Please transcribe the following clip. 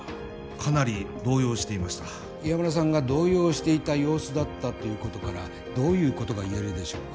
かなり動揺していました岩村さんが動揺していた様子だったということからどういうことがいえるでしょうか？